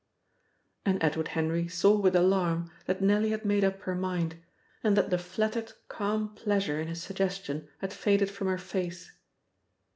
And Edward Henry saw with alarm that Nellie had made up her mind, and that the flattered calm pleasure in his suggestion had faded from her face.